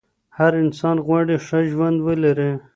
هر انسان غواړي ښه ژوند ولري.